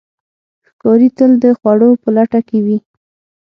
ښکاري تل د خوړو په لټه کې وي.